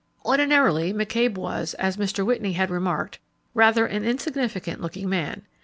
Ordinarily, McCabe was, as Mr. Whitney had remarked, rather an insignificant looking man.